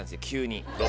急に。